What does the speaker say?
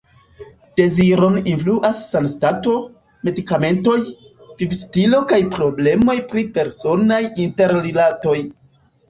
Deziron influas sanstato, medikamentoj, vivstilo kaj problemoj pri personaj interrilatoj.